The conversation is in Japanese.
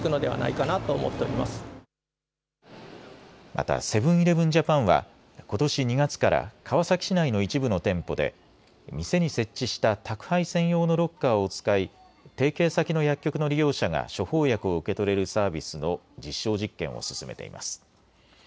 またセブン‐イレブン・ジャパンはことし２月から川崎市内の一部の店舗で店に設置した宅配専用のロッカーを使い提携先の薬局の利用者が処方薬を受け取れるサービスの実証実験を進めています。